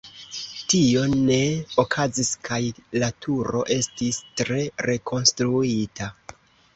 Tio ne okazis kaj la turo estis tre rekonstruita.